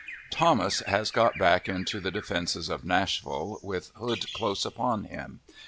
Thomas has got back into the defenses of Nashville, with Hood close upon him.